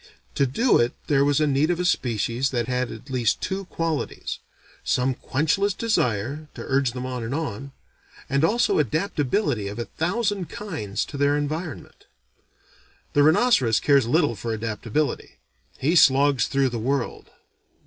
To do it there was need of a species that had at least these two qualities: some quenchless desire, to urge them on and on; and also adaptability of a thousand kinds to their environment. The rhinoceros cares little for adaptability. He slogs through the world.